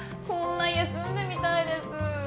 こんな家住んでみたいです。